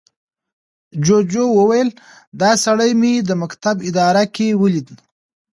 جوجو وويل، دا سړي مې د مکتب اداره کې ولید.